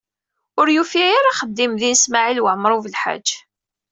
Ur yufi ara yexdem din Smawil Waɛmaṛ U Belḥaǧ.